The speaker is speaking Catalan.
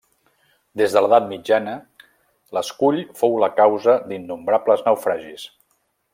Des de l'edat mitjana l'escull fou la causa d'innombrables naufragis.